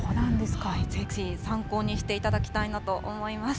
ぜひ参考にしていただきたいなと思います。